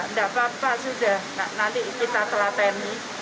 nggak apa apa sudah nanti kita telaten